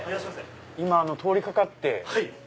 今通り掛かって。